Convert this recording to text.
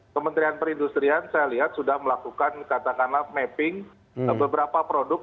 kementerian perindustrian saya lihat sudah melakukan katakanlah mapping beberapa produk